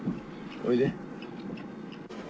おいで。